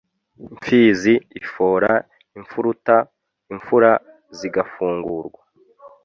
Mfizi ifora imfuruta imfura zigafungurwa